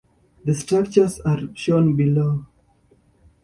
The structures are shown below.